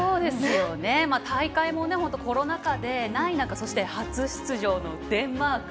大会もコロナ禍でない中そして、初出場のデンマーク。